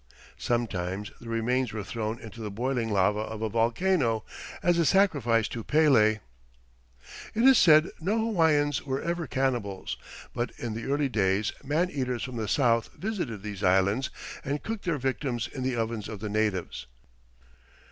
Sometimes the remains were thrown into the boiling lava of a volcano, as a sacrifice to Pele. [Illustration: ANCIENT TEMPLE INCLOSURE.] It is said no Hawaiians were ever cannibals, but in the early days man eaters from the south visited these Islands and cooked their victims in the ovens of the natives.